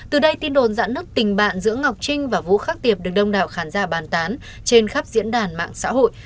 từ đây tin đồn dẫn nước tình bạn giữa ngọc trinh và vũ khắc tiệp được đông đảo khán giả bàn tán trên khắp diễn đàn mạng xã hội